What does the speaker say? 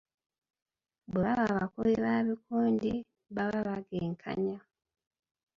Bwe baba bakubi ba bikonde baba bagenkanya